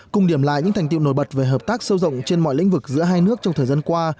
cùng điểm lại những thành tiệu nổi bật về hợp tác sâu rộng trên mọi lĩnh vực giữa hai nước trong thời gian qua